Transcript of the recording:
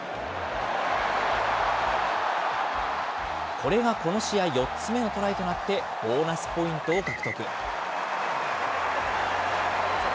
これがこの試合４つ目のトライとなって、ボーナスポイントを獲得。